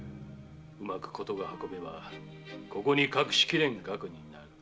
うまく事が運べばここに隠しきれん額になる。